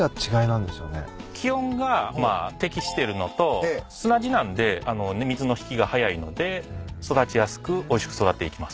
気温が適してるのと砂地なんで水の引きが早いので育ちやすくおいしく育っていきます。